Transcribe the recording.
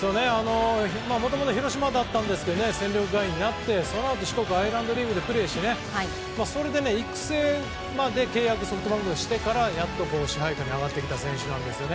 もともと広島だったんですが戦力外になって、そのあと四国アイランドリーグでプレーして、それで育成までソフトバンクで契約してからやっと、この支配下に上がってきた選手なんですよね。